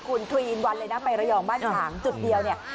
คุณทวีนวันเลยนะไประยองบ้านฉางจุดเดียวเนี่ย